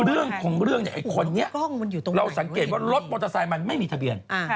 เรื่องของเรื่องเนี่ยไอ้คนนี้เราสังเกตว่ารถมอเตอร์ไซค์มันไม่มีทะเบียน